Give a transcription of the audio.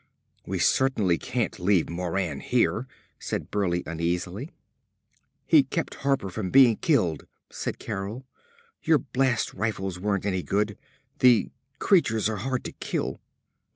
"We certainly can't leave Moran here!" said Burleigh uneasily. "He kept Harper from being killed!" said Carol. "Your blast rifles weren't any good. The creatures are hard to kill."